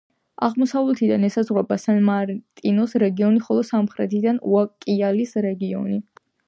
აღმოსავლეთიდან ესაზღვრება სან-მარტინის რეგიონი, ხოლო სამხრეთიდან უკაიალის რეგიონი.